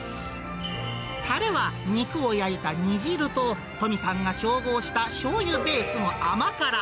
たれは肉を焼いた煮汁と、とみさんが調合したしょうゆベースの甘辛。